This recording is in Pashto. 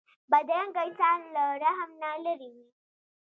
بدرنګه انسان له رحم نه لېرې وي